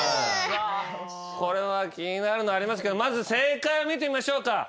気になるのありますけどまず正解を見てみましょうか。